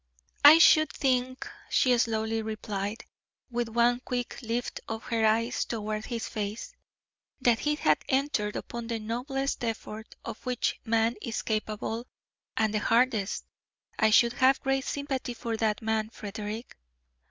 "I should think," she slowly replied, with one quick lift of her eyes toward his face, "that he had entered upon the noblest effort of which man is capable, and the hardest. I should have great sympathy for that man, Frederick."